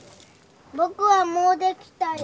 僕はもうできたよ。